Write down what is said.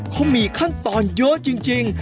เขามีขั้นตอนเยอะจริง